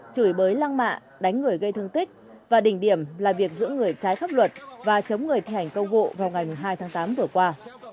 chửi bới lăng mạ đánh người gây thương tích và đỉnh điểm là việc giữ người trái pháp luật và chống người thi hành công vụ vào ngày hai tháng tám vừa qua